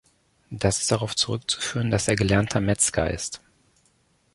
Das ist darauf zurückzuführen, dass er gelernter Metzger ist.